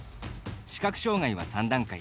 視覚障がいは３段階。